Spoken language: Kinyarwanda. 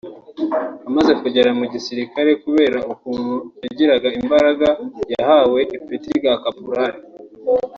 amaze kugera mu gisirikare kubera ukuntu yagiraga imbaraga yahawe ipeti rya Kapurari